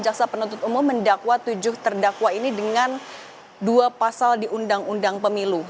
jaksa penuntut umum mendakwa tujuh terdakwa ini dengan dua pasal di undang undang pemilu